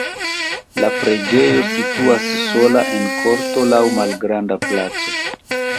La preĝejo situas sola en korto laŭ malgranda placo.